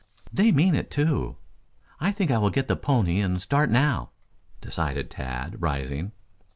"They mean it, too. I think I will get the pony and start now," decided Tad, rising.